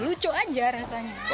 lucu aja rasanya